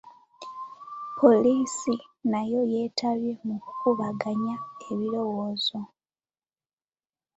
Poliisi nayo yeetabye mu kukubaganya ebirowoozo.